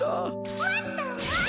もっともっと！